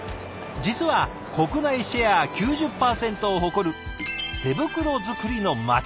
実は国内シェア９０％を誇る手袋作りの町。